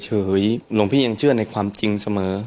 หลวงพี่ยังเชื่อในความจริงเสมอ